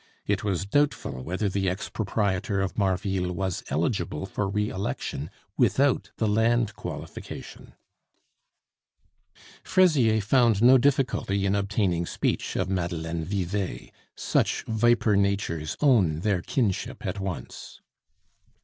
It was doubtful whether the ex proprietor of Marville was eligible for re election without the land qualification. Fraisier found no difficulty in obtaining speech of Madeleine Vivet; such viper natures own their kinship at once.